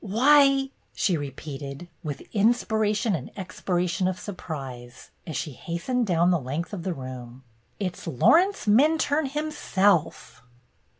" Why !" she repeated, with inspiration and expiration of surprise, as she hastened YOUNG MR. MINTURNE 123 down the length of the room, "it 's Laurence Minturne himself!